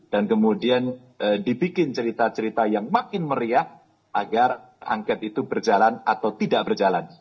dan kemudian dibikin cerita cerita yang makin meriah agar angket itu berjalan atau tidak berjalan